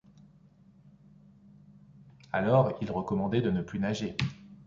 Alors, il recommandait de ne plus nager.